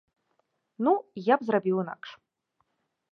Ну, я б зрабіў інакш.